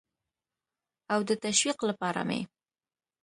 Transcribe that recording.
او د تشویق لپاره مې